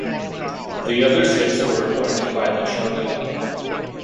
The other six were appointed by the Chogyal.